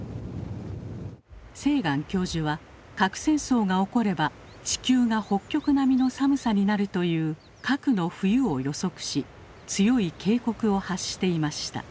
セーガン教授は核戦争が起これば地球が北極並みの寒さになるという「核の冬」を予測し強い警告を発していました。